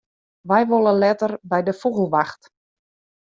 Wy wolle letter by de fûgelwacht.